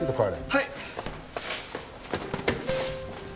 はい！